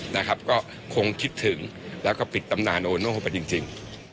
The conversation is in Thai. นะครับก็คงคิดถึงแล้วก็ปิดตำนานโอโน่เข้าไปจริง